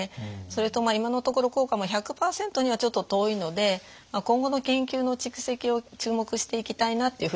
それと今のところ効果も１００％にはちょっと遠いので今後の研究の蓄積を注目していきたいなっていうふうに思っています。